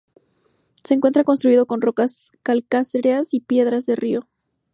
Se encuentra construido con rocas calcáreas y piedras de río.